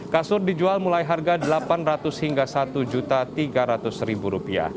kasur dijual mulai harga rp delapan ratus hingga rp satu tiga ratus